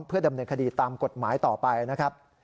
เพื่อดำเนินคดีตามกฎหมายต่อไปนะครับ